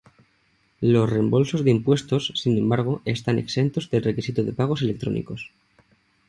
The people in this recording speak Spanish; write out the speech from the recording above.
Los reembolsos de impuestos, sin embargo, están exentos del requisito de pagos electrónicos.